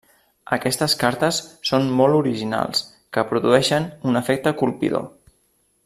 Aquestes cartes són molt originals, que produeixen un efecte colpidor.